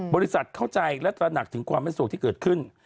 บริษัทเข้าใจและตระหนักถึงความไม่สุขที่เกิดขึ้น